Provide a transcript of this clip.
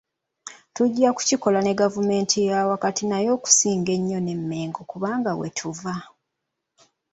Tujja kukikola ne gavumenti eyawakati naye okusinga ennyo ne Mmengo kubanga wetuva.